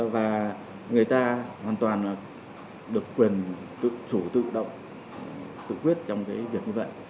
và người ta hoàn toàn được quyền tự chủ tự động tự quyết trong việc như vậy